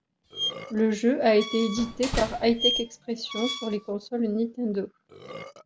Le jeu a été édité par Hi-Tech Expressions sur les consoles Nintendo.